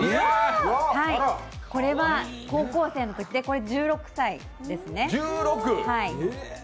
これは高校生のときで１６歳ですね。